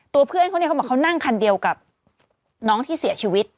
เพื่อนเขาเนี่ยเขาบอกเขานั่งคันเดียวกับน้องที่เสียชีวิต